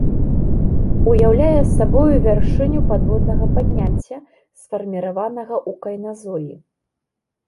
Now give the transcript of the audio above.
Уяўляе сабою вяршыню падводнага падняцця, сфарміраванага ў кайназоі.